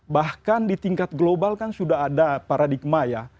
bahkan di tingkat global kan sudah ada paradigma ya